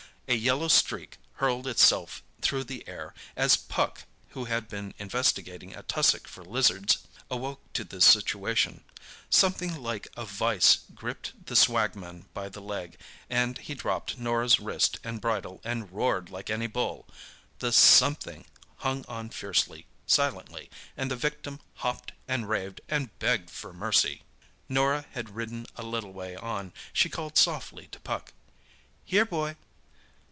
A yellow streak hurled itself though the air, as Puck, who had been investigating a tussock for lizards, awoke to the situation. Something like a vice gripped the swagman by the leg, and he dropped Norah's wrist and bridle and roared like any bull. The "something" hung on fiercely, silently, and the victim hopped and raved and begged for mercy. Norah had ridden a little way on. She called softly to Puck. "Here, boy!"